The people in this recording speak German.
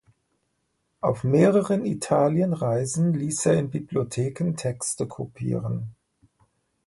Auf mehreren Italienreisen ließ er in Bibliotheken Texte kopieren.